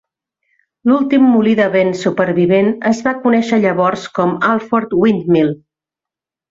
L"últim moli de vent supervivent es va conèixer llavors com "Alford Windmill".